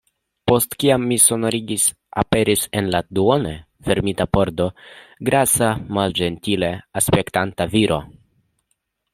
Post kiam mi sonorigis, aperis en la duone fermita pordo grasa malĝentile aspektanta viro.